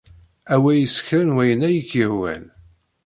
Awey s kra n wayen ay ak-yehwan.